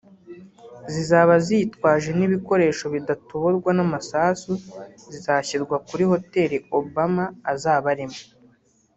zizaba zitwaje n’ibikoresho bidatoborwa n’amasasu bizashyirwa kuri Hoteli Obama azaba arimo